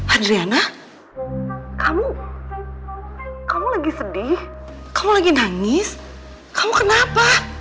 adriana kamu kamu lagi sedih kamu lagi nangis kamu kenapa